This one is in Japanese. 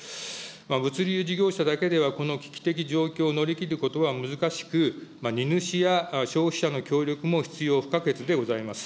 物流事業者だけではこの危機的状況を乗り切ることは難しく、荷主や消費者の協力も必要不可欠でございます。